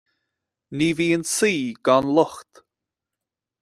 Ní bhíonn saoi gan locht